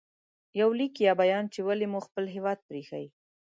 • یو لیک یا بیان چې ولې مو خپل هېواد پرې ایښی